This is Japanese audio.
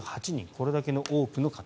これだけ多くの方。